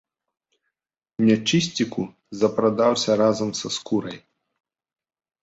Нячысціку запрадаўся разам са скурай.